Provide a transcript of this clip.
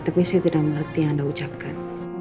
tapi saya tidak mengerti yang anda ucapkan